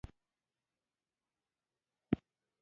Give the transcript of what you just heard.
د مالیبار خلک د شیخانو په برکت مسلمان شوي.